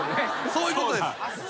そういうことです。